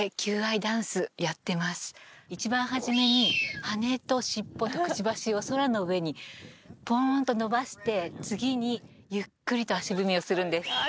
一番初めに羽と尻尾とクチバシを空の上にポーンと伸ばして次にゆっくりと足踏みをするんです